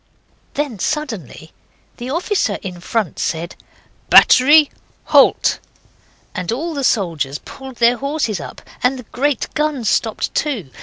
Then suddenly the officer in front said, 'Battery! Halt!' and all the soldiers pulled their horses up, and the great guns stopped too.